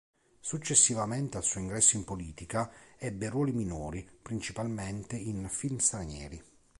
Successivamente al suo ingresso in politica ebbe ruoli minori principalmente in film stranieri.